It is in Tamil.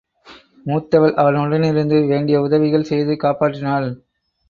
மூத்தவள் அவன் உடனிருந்து வேண்டிய உதவிகள் செய்து காப்பாற்றினாள்.